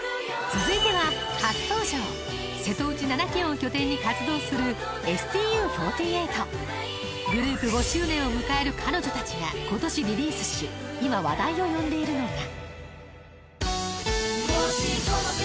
続いては初登場瀬戸内７県を拠点に活動するＳＴＵ４８。グループ５周年を迎える彼女たちが今年リリースし今、話題を呼んでいるのが。